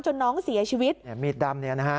จนน้องเสียชีวิตมีดดำเนี่ยนะฮะ